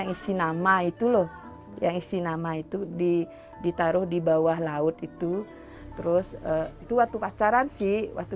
isi nama itu loh yang isi nama itu di ditaruh di bawah laut itu terus itu waktu pacaran sih waktu